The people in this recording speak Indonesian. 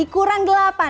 kurang dengar ya